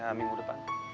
ya minggu depan